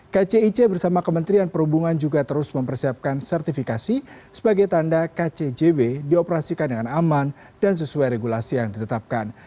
kcic bersama kementerian perhubungan juga terus mempersiapkan sertifikasi sebagai tanda kcjb dioperasikan dengan aman dan sesuai regulasi yang ditetapkan